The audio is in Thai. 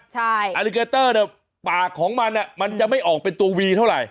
ใช่อาริเกเตอร์เนี่ยปากของมันเนี่ยมันจะไม่ออกเป็นตัววีเท่าไหร่